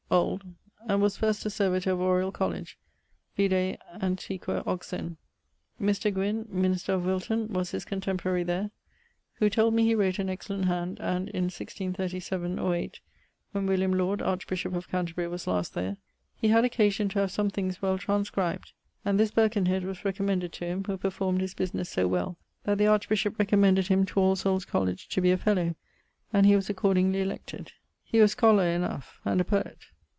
old, and was first a servitor of Oriall colledge: vide Antiq. Oxon. Mr. Gwin, minister of Wilton, was his contemporary there, who told me he wrote an excellent hand, and, in 163[7 or 8] when William Laud, archbishop of Canterbury, was last there, he had occasion to have some things well transcribed, and this Birkenhead was recommended to him, who performed his businesse so well, that the archbishop recommended him to All Soules' college to be a fellow, and he was accordingly elected. He was scholar enough, and a poet.